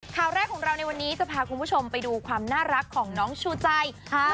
ข่าวแรกของเราในวันนี้จะพาคุณผู้ชมไปดูความน่ารักของน้องชูใจ